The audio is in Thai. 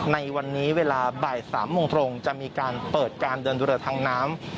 ในวันนี้เวลาบ่าย๓โมงตรงจะมีการเปิดการเดินเรือทางน้ำ